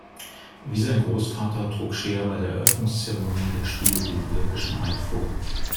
Wie sein Großvater trug Shea bei der Eröffnungszeremonie der Spiele den olympischen Eid vor.